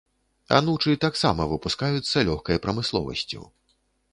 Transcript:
Анучы таксама выпускаюцца лёгкай прамысловасцю.